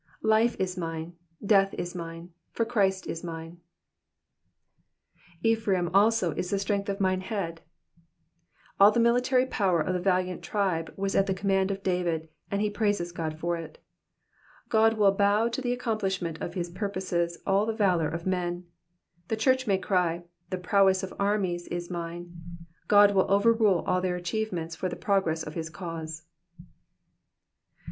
Life is mine, death is mme, for Christ is mine. ^''Ephraim also is the strength qf mine head,^^ All the military power of the Digitized by VjOOQIC 94 EXPOSITIONS OF THE PSALMS. valiant tribe was at the command of David, and he praisee God for it. €U>d will bow to the accomplishment of his purposes all the valour of men ; the church may cry, the prowess of armies is mine,*' Ck)d will overrule all their achievements for the progress of his cause.